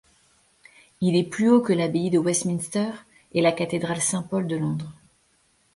Il est plus haut que l'Abbaye de Westminster et la Cathédrale Saint-Paul de Londres.